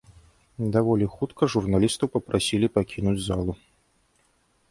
Даволі хутка журналістаў папрасілі пакінуць залу.